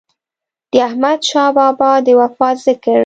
د احمد شاه بابا د وفات ذکر